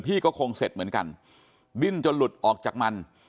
ก็คงเสร็จเหมือนกันดิ้นจนหลุดออกจากมัน